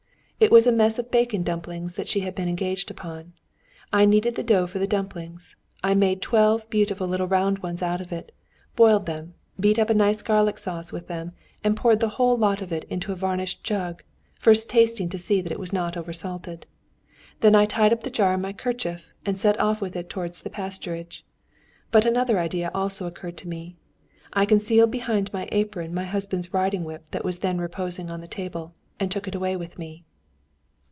It was a mess of bacon dumplings that she had been engaged upon. I kneaded the dough for the dumplings, I made twelve beautiful little round ones out of it, boiled them, beat up a nice garlic sauce with them, and poured the whole lot of it into a varnished jug, first tasting to see that it was not over salted. Then I tied up the jar in my kerchief, and set off with it towards the pasturage. But another idea also occurred to me. I concealed behind my apron my husband's riding whip that was reposing on the table, and took it away with me.